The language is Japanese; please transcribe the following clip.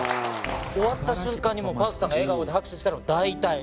終わった瞬間にＰａｒｋさんが笑顔で拍手したら大体。